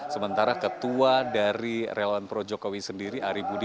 sementara ketua dari relawan projo kowe sendiri ari budi